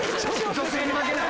女性には負けない。